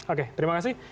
oke terima kasih